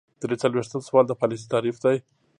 درې څلویښتم سوال د پالیسۍ تعریف دی.